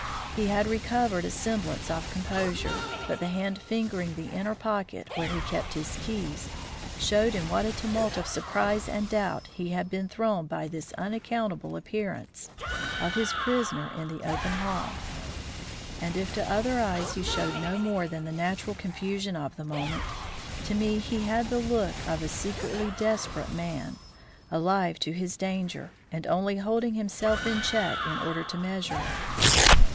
He had recovered a semblance of composure, but the hand fingering the inner pocket, where he kept his keys, showed in what a tumult of surprise and doubt he had been thrown by this unaccountable appearance of his prisoner in the open hall; and if to other eyes he showed no more than the natural confusion of the moment, to me he had the look of a secretly desperate man, alive to his danger, and only holding himself in check in order to measure it.